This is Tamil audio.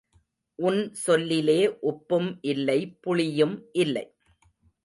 உன் சொல்லிலே உப்பும் இல்லை புளியும் இல்லை.